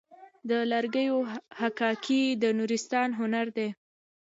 د لرګیو حکاکي د نورستان هنر دی.